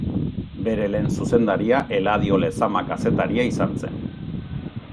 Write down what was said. Bere lehen zuzendaria Eladio Lezama kazetaria izan zen.